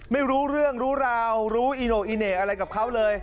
ไม่รู้เรื่องรู้ราวรู้อีโน่อีเหน่อะไรกับเขาเลย